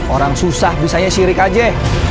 orang susah bisanya sirik aja